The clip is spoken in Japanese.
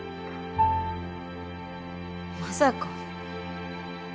まさか。